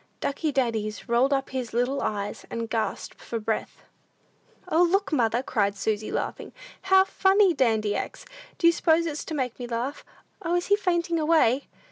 Ducky Daddies rolled up his little eyes, and gasped for breath. "O, look, mother!" cried Susy, laughing; "how funny Dandy acts! Do you suppose it's to make me laugh? O, is he fainting away?"